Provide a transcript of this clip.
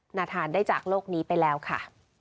หน้าทานได้จากโลกนี้ไปแล้วค่ะ